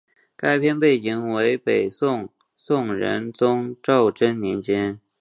该片背景为北宋宋仁宗赵祯年间。